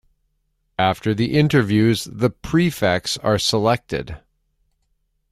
After the interviews the prefects are selected.